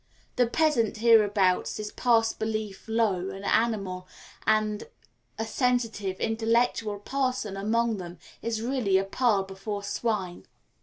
The peasant hereabouts is past belief low and animal, and a sensitive, intellectual parson among them is really a pearl before swine.